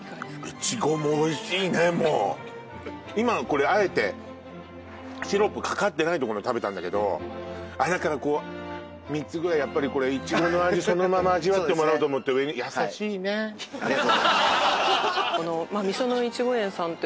イチゴもおいしいねもう今これあえてシロップかかってないところの食べたんだけどあっだからこう３つぐらいやっぱりこれイチゴの味そのまま味わってもらおうと思って上にありがとうございます